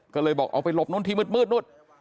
ก็เลยบอกเอาไปหลบนู่นที่มืดนู่น